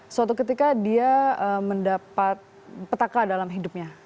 suatu ketika dia mendapat petaka dalam hidupnya